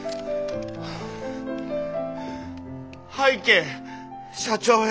「拝啓社長へ。